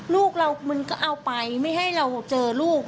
ลูกเรามันก็เอาไปไม่ให้เราเจอลูก